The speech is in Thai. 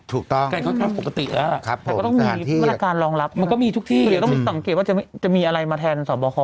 ถูกต้องครับผมสถานที่มันก็มีทุกที่อย่าต้องสังเกตว่าจะมีอะไรมาแทนสวบคอ